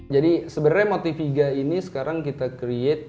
jadi sebenarnya motiviga ini sekarang kita create